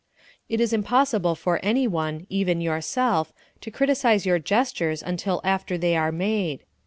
It is impossible for anyone even yourself to criticise your gestures until after they are made.